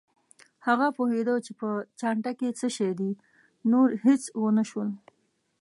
هغه پوهېده چې په چانټه کې څه شي دي، نور هېڅ ونه شول.